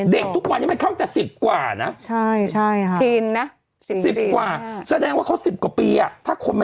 เด็กทุกวันมันมาถูกห่างก๘๓กว่านะ